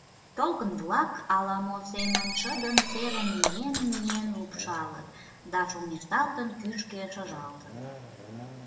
Толкын-влак ала-мо семын шыдын серым миен-миен лупшалыт да, шоҥешталтын, кӱшкӧ шыжалтыт.